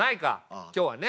今日はね。